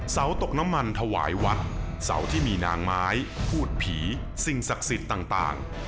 เสาตกน้ำมันถวายวัดเสาที่มีนางไม้พูดผีสิ่งศักดิ์สิทธิ์ต่าง